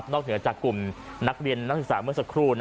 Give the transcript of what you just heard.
เหนือจากกลุ่มนักเรียนนักศึกษาเมื่อสักครู่